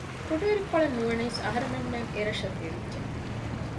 ކުޑައިރުކޮޅެއް ނުވަނީސް އަހަރުމެންނަށް އެ ރަށަށް ދެވިއްޖެ